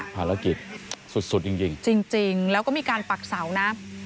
ภารกิจสุดจริงจริงแล้วก็มีการปักเสานะ